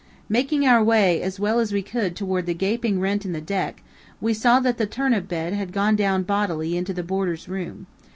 Making our way as well as we could toward the gaping rent in the deck, we saw that the turnip bed had gone down bodily into the boarder's room.